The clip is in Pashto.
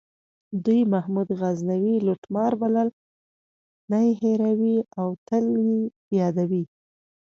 دوی محمود غزنوي لوټمار بلل نه هیروي او تل یې یادوي.